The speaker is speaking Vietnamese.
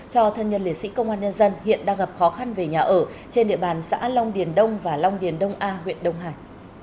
cho thân nhân liệt sĩ công an nhân dân hiện đang gặp khó khăn về nhà ở trên địa bàn xã long điền đông và long điền đông a huyện đông hải